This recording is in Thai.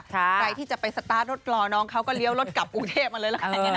ใครที่จะไปสตาร์ทรถรอน้องเขาก็เลี้ยวรถกลับกรุงเทพมาเลยละกัน